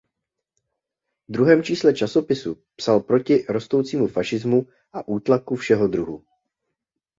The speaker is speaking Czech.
Ve druhém čísle časopisu psal proti rostoucímu fašismu a útlaku všeho druhu.